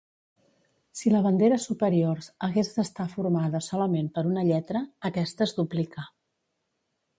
Si la bandera superior hagués d'estar formada solament per una lletra, aquesta es duplica.